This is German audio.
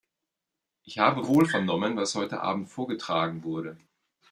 Ich habe wohl vernommen, was heute Abend vorgetragen wurde.